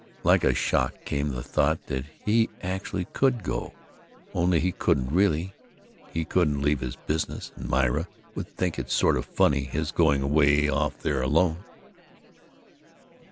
Like a shock came the thought that he actually could go. Only, he couldn't, really; he couldn't leave his business, and "Myra would think it sort of funny, his going way off there alone.